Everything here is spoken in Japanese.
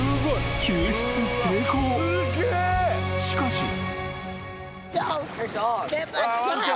［しかし］